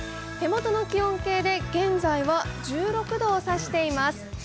手元の気温計で現在は１６度を指しています。